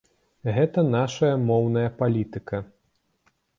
Гэта нашая моўная палітыка.